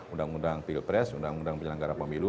undang undang pilpres undang undang penyelenggara pemilu